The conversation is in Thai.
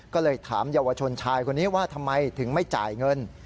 ก็เลยถามเยาวชนชายคนนี้ว่าทำไมถึงไม่จ่ายเงิน